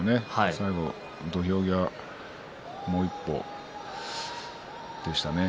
最後、土俵際もう一歩でしたね。